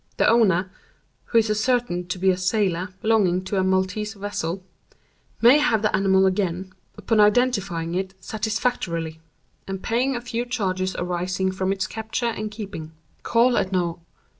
The owner (who is ascertained to be a sailor, belonging to a Maltese vessel) may have the animal again, upon identifying it satisfactorily, and paying a few charges arising from its capture and keeping. Call at No.